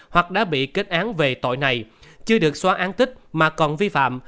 hoặc đã bị kết án về tội này chưa được xóa án tích mà còn vi phạm